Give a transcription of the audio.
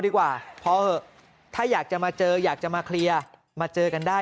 ดีกว่าพอเหอะถ้าอยากจะมาเจออยากจะมาเคลียร์มาเจอกันได้